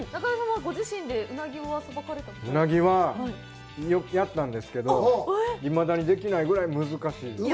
うなぎはやったんですけど、いまだにできないぐらい難しいです。